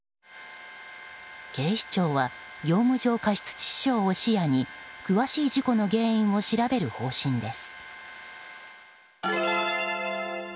警視庁は業務上過失致死傷を視野に詳しい事故の原因を調べる方針です。